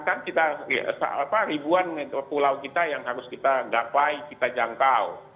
kan kita ribuan pulau kita yang harus kita gapai kita jangkau